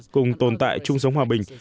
cùng tồn tại chung sống hòa bình